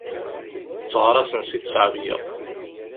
Tteɣraṣen si ttɛebga.